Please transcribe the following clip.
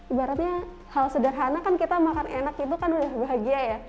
ibaratnya hal sederhana kan kita makan enak itu kan udah bahagia ya